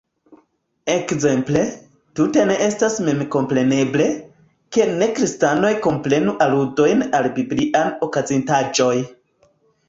Ekzemple, tute ne estas memkompreneble, ke ne-kristanoj komprenu aludojn al bibliaj okazintaĵoj.